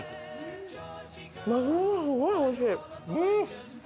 まぐろすごいおいしい。